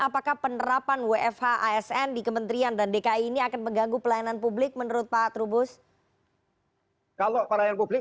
di kementerian dan dki ini akan mengganggu pelayanan publik menurut pak trubus kalau pelayanan publik